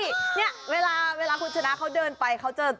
นี่เวลาคุณชนะเขาเดินไป